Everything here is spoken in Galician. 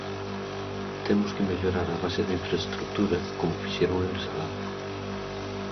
Temos que mellorar a base de infraestrutura como fixeron eles alá.